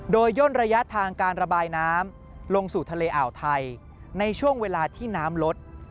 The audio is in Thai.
โดยย่นระยะทางการระบายน้ำลงสู่ทะเลอ่าวไทยในช่วงเวลาที่น้ำลด